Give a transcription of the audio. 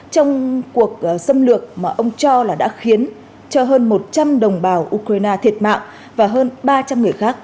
trong cuộc xâm lược mà ông cho là đã khiến cho hơn một người bị bệnh